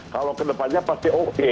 kalau kedepannya pasti oke